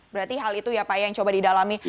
berarti hal itu ya pak ya yang coba didalami